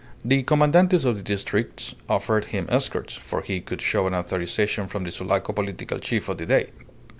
The commandantes of the districts offered him escorts for he could show an authorization from the Sulaco political chief of the day.